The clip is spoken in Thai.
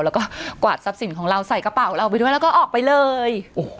แล้วก็กวาดทรัพย์สินของเราใส่กระเป๋าเราไปด้วยแล้วก็ออกไปเลย